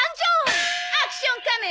アクション仮面